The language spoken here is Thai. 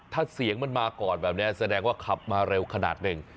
ถ้าเสียงมันมาก่อนแบบนี้แสดงว่าขับมาเร็วขนาดหนึ่ง